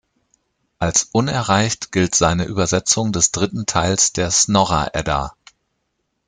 Als unerreicht gilt seine Übersetzung des dritten Teils der Snorra-Edda.